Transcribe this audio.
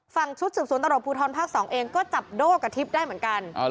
ชุดสืบสวนตำรวจภูทรภาค๒เองก็จับโด่กับทิพย์ได้เหมือนกัน